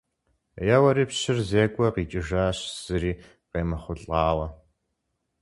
Еуэри, пщыр зекӀуэ къикӀыжащ зыри къемыхъулӀауэ.